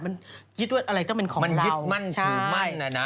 มันคิดว่าอะไรต้องเป็นของมันยึดมั่นถือมั่นนะนะ